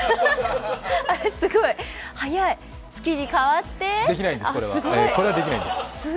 あれっ、すごい早い月にかわってできないです、これはできないです。